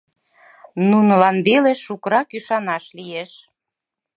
Нунылан веле шукырак ӱшанаш лиеш.